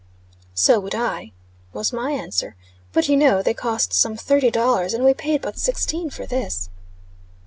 "So would I," was my answer. "But you know they cost some thirty dollars, and we paid but sixteen for this."